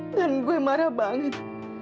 dan gue marah banget